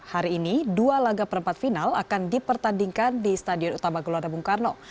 hari ini dua laga perempat final akan dipertandingkan di stadion utama gelora bung karno